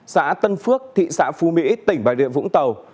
xã tân phước thị xã phú mỹ tỉnh bài địa vũng tàu